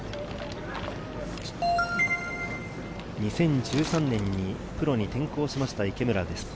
２０１３年にプロに転向しました、池村です。